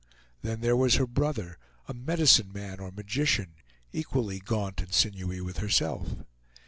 Then there was her brother, a "medicine man," or magician, equally gaunt and sinewy with herself.